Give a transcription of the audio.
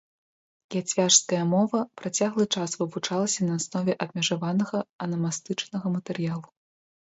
Яцвяжская мова працяглы час вывучалася на аснове абмежаванага анамастычнага матэрыялу.